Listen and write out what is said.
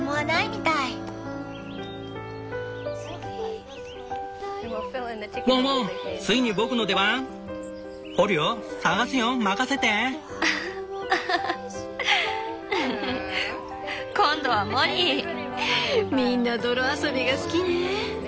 みんな泥遊びが好きね。